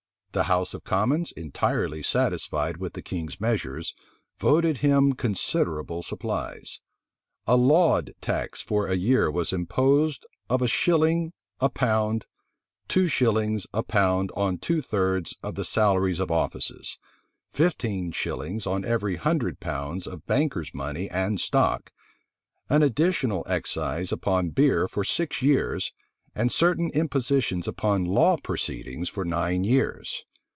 The house of commons, entirely satisfied with the king's measures, voted him considerable supplies. A laud tax for a year was imposed of a shilling a pound; two shillings a pound on two thirds of the salaries of offices; fifteen shillings on every hundred pounds of bankers' money and stock; an additional excise upon beer for six years, and certain impositions upon law proceedings for nine years.